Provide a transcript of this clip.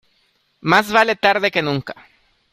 Más vale tarde que nunca.